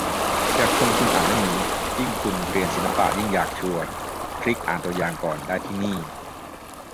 อยากชวนคุณอ่านเล่มนี้ ยิ่งคุณเรียนศิลปะ ยิ่งอยากชวน คลิกอ่านตัวอย่างก่อนได้ที่นี่